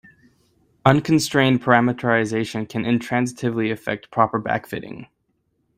Unconstrained parameterization can intransitively affect proper backfitting.